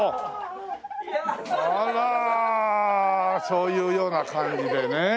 そういうような感じでね。